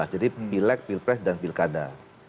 jadi pileg pilpres dan pilkada